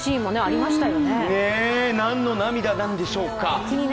何の涙なんでしょうか。